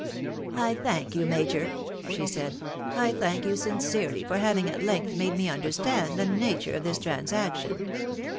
" I thank you, major," she said, " I thank you sincerely for having at length made me understand the nature of this transac tion.